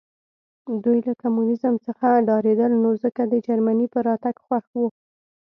دوی له کمونیزم څخه ډارېدل نو ځکه د جرمني په راتګ خوښ وو